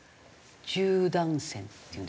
十段線っていうんですか？